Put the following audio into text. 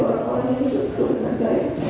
orang lain yang bersatu dengan saya